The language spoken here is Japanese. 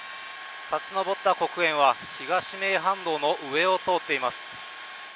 立ち上った黒煙は東名阪道の上を通っています。